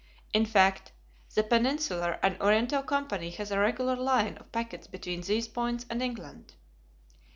In fact, the Peninsular and Oriental Company has a regular line of packets between these points and England.